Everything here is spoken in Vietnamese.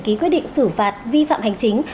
ký quyết định xử phạt vi phạm hành chính